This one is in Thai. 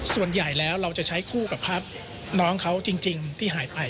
ส่วนใหญ่แล้วเราจะใช้คู่กับภาพน้องเขาจริงที่หายไป